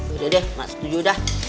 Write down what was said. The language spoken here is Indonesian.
yaudah deh mak setuju udah